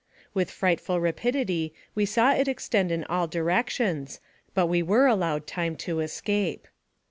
With frightful rapidity we saw it extend in all direc tions, but we were allowed time to escape.